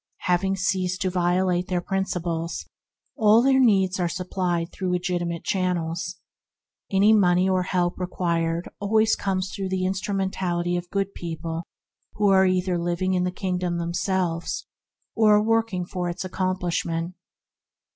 Having ceased to violate their principles, all their needs are supplied through legitimate channels. Any money or help required comes through the instrumentality of good people who are either living in the Kingdom themselves, or are working for its accomplishment.